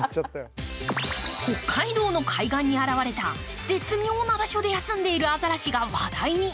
北海道の海岸に現れた絶妙な場所で休んでいるアザラシが話題に。